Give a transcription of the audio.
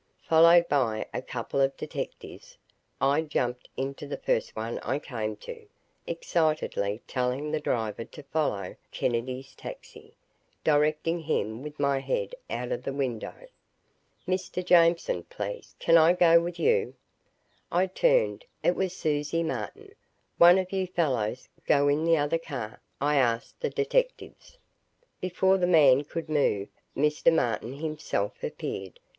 Followed by a couple of the detectives, I jumped into the first one I came to, excitedly telling the driver to follow Kennedy's taxi, directing him with my head out of the window. "Mr. Jameson, please can't I go with you?" I turned. It was Susie Martin. "One of you fellows, go in the other car," I asked the detectives. Before the man could move, Mr. Martin himself appeared.